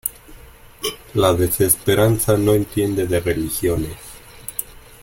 la desesperanza no entiende de religiones.